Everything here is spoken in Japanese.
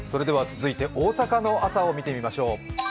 続いて大阪の朝を見てみましょう。